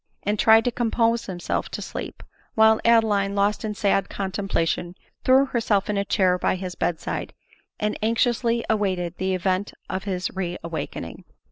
and tried to compose himself to sleep ; while Adeline, lost in sad contemplation, threw herself in a chair by his bed side, and anxiously awaited the event of his re awaking.